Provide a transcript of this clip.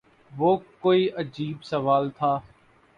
وہ کوئی عجیب سوال تھا